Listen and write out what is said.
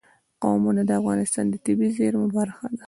قومونه د افغانستان د طبیعي زیرمو برخه ده.